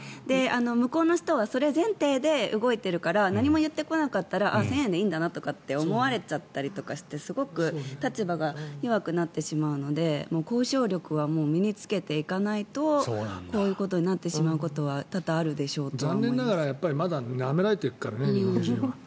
向こうの人はそれ前提で動いているから何も言ってこなかったらああ、１０００円でいいんだなって思われちゃったりとかしてすごく立場が弱くなってしまうので交渉力は身に着けていかないとこういうことになってしまうことは残念ながらまだなめられてるからね日本人は。